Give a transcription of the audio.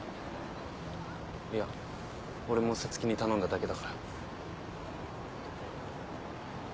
いや俺も皐月に頼んだだけだから。